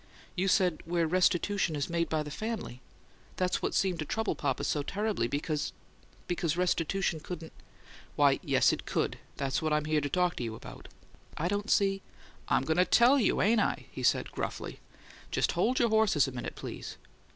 "You said, 'where restitution's made by the family.' That's what seemed to trouble papa so terribly, because because restitution couldn't " "Why, yes, it could. That's what I'm here to talk to you about." "I don't see " "I'm going to TELL you, ain't I?" he said, gruffly. "Just hold your horses a minute, please."